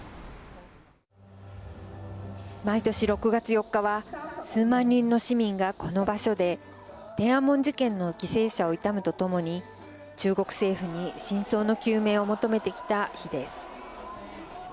毎年６月４日は数万人の市民がこの場所で天安門事件の犠牲者を悼むとともに中国政府に真相の究明を求めてきた日です。